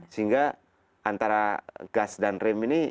sehingga antara gas dan rem ini